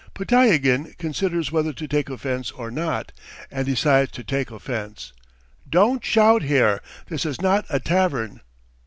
Podtyagin considers whether to take offence or not and decides to take offence. "Don't shout here! This is not a tavern!"